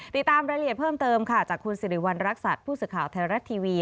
ติดตามรายละเอียดเพิ่มเติมค่ะจากคุณสิริวัณรักษัตริย์ผู้สื่อข่าวไทยรัฐทีวี